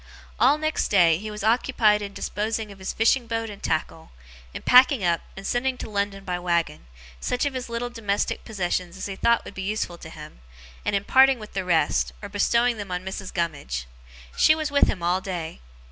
All next day, he was occupied in disposing of his fishing boat and tackle; in packing up, and sending to London by waggon, such of his little domestic possessions as he thought would be useful to him; and in parting with the rest, or bestowing them on Mrs. Gummidge. She was with him all day.